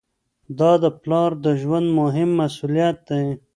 دا د پلار د ژوند مهم مسؤلیت دی.